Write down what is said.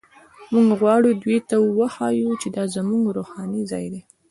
موږ غواړو دوی ته وښیو چې دا زموږ روحاني ځای دی.